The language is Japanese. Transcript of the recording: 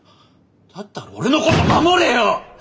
だったら俺のこと守れよ！